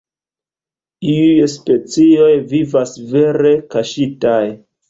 Iuj specioj vivas vere kaŝitaj.